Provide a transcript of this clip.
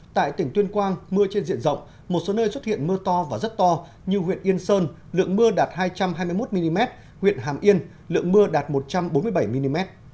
tại tỉnh tuyên quang mưa trên diện rộng một số nơi xuất hiện mưa to và rất to như huyện yên sơn lượng mưa đạt hai trăm hai mươi một mm huyện hàm yên lượng mưa đạt một trăm bốn mươi bảy mm